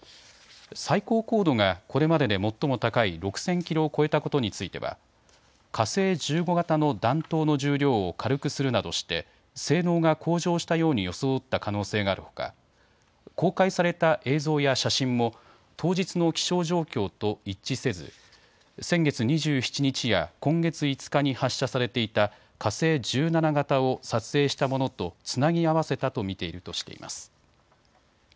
最高高度がこれまでで最も高い６０００キロを超えたことについては火星１５型の弾頭の重量を軽くするなどして性能が向上したように装った可能性があるほか公開された映像や写真も当日の気象状況と一致せず先月２７日や今月５日に発射されていた火星１７型を撮影したものとつなぎ合わせたと見ているとしています。